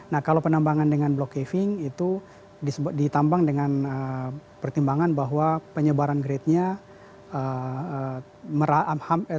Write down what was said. nah kalau penambangan dengan block caving itu ditambang dengan pertimbangan bahwa penyebaran grade nya